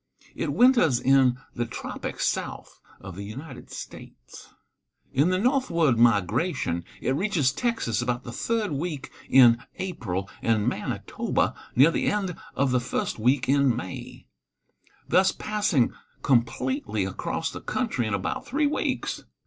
It winters in the tropics south of the United States. In the northward migration it reaches Texas about the third week in April and Manitoba near the end of the first week in May, thus passing completely across the country in about three weeks.